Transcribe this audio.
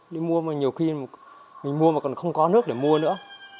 đi mua mà nhiều khi mình mua mà còn không có nước để mua nữa